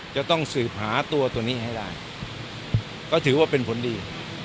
จะต้องสืบหาตัวตัวนี้ให้ได้ก็ถือว่าเป็นผลดี